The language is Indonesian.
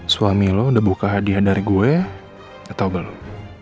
suami lo udah buka hadiah dari gue atau belum